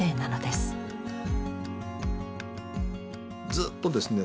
ずっとですね